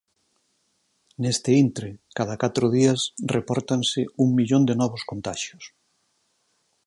Neste intre, cada catro días repórtanse un millón de novos contaxios.